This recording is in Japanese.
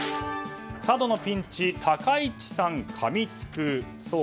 佐渡のピンチ、高市さんかみつく。